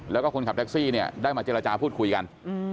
แล้วก็คนขับแท็กซี่เนี่ยได้มาเจรจาพูดคุยกัน